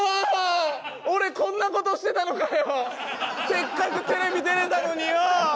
せっかくテレビ出れたのによ！